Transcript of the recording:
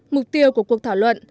mục tiêu của cuộc thảo luận